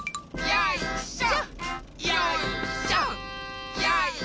よいしょ！